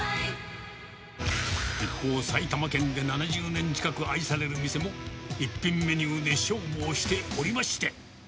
一方、埼玉県で７０年近く愛される店も、一品メニューで勝負をしておりまして。